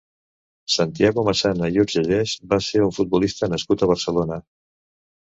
Santiago Massana i Urgellés va ser un futbolista nascut a Barcelona.